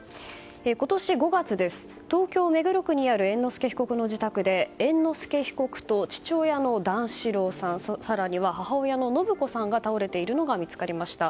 今年５月、東京・目黒区にある猿之助被告の自宅で猿之助被告と父親の段四郎さん更には母親の延子さんが倒れているのが見つかりました。